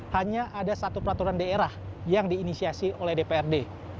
hanya ada satu peraturan daerah yang diinisiasi oleh dprd